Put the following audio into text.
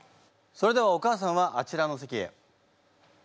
それではお母さんはあちらの席へ。